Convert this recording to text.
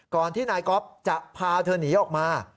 ที่นายก๊อฟจะพาเธอหนีออกมา